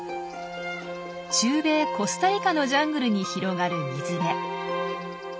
中米コスタリカのジャングルに広がる水辺。